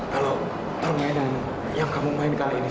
kalau permainan yang kamu main kali ini